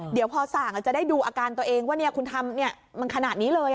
เดี๋ยวพอสั่งจะได้ดูอาการตัวเองว่าคุณทำมันขนาดนี้เลย